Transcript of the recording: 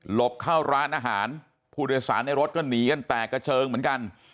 บเข้าร้านอาหารผู้โดยสารในรถก็หนีกันแตกกระเจิงเหมือนกัน